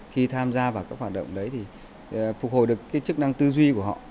khi tham gia vào các hoạt động đấy thì phục hồi được cái chức năng tư duy của họ